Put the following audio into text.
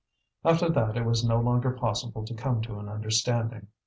After that it was no longer possible to come to an understanding.